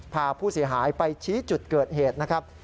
พาผู้เสียหายไปชี้จุดเกิดเหตุนะครับ